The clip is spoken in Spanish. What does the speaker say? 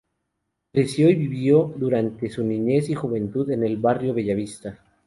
Creció y vivió durante su niñez y juventud en el barrio Bella Vista.